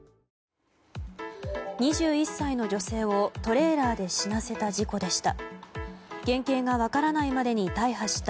２１歳の女性をトレーラーで死なせた事故でした。